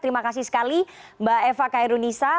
terima kasih sekali mbak eva kairunisa